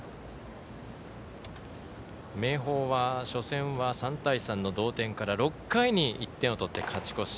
明豊は初戦は３対３の同点から６回に１点を取って勝ち越し。